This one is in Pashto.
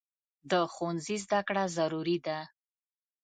د ښوونځي زده کړه ضروري ده.